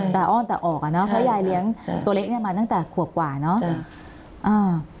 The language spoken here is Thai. แต่อ้อนแต่ออกอ่ะเนอะเพราะยายเลี้ยงตัวเล็กเนี่ยมาตั้งแต่ขวบกว่าเนอะ